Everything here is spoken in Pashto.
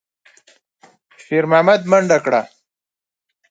شېرمحمد منډه کړه.